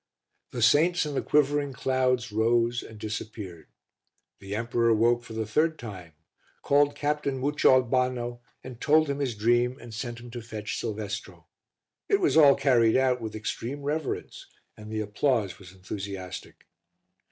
The saints and the quivering clouds rose and disappeared. The emperor woke for the third time, called Captain Mucioalbano, told him his dream and sent him to fetch Silvestro. It was all carried out with extreme reverence and the applause was enthusiastic.